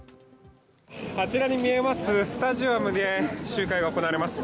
あちらに見えますスタジアムで集会が行われます。